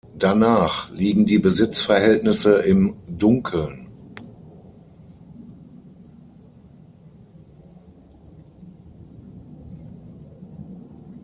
Danach liegen die Besitzverhältnisse im Dunkeln.